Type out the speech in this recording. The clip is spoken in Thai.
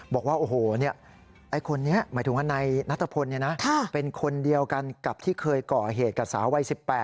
บอกว่าโอ้โหไอ้คนนี้หมายถึงว่านายนัทพลเป็นคนเดียวกันกับที่เคยก่อเหตุกับสาววัย๑๘